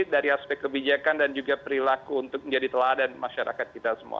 dari aspek kebijakan dan juga perilaku untuk menjadi teladan masyarakat kita semua